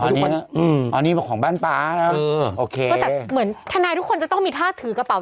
อันนี้นะอืมอันนี้ของบ้านป๊านะเออโอเคก็แต่เหมือนทนายทุกคนจะต้องมีท่าถือกระเป๋า